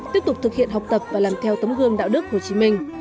tiếp tục thực hiện học tập và làm theo tấm gương đạo đức hồ chí minh